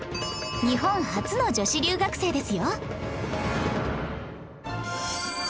日本初の女子留学生ですよ